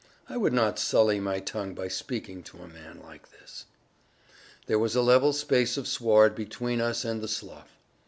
I would not sully my tongue by speaking to a man like this. There was a level space of sward between us and the slough.